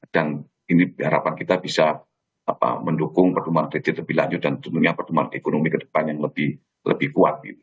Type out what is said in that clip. dan ini harapan kita bisa mendukung pertumbuhan kredit lebih lanjut dan tentunya pertumbuhan ekonomi ke depan yang lebih kuat